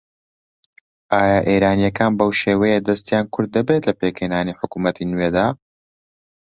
ئایا ئێرانییەکان بەو شێوەیە دەستیان کورت دەبێت لە پێکهێنانی حکوومەتی نوێدا؟